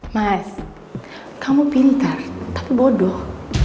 mas kamu pintar tapi bodoh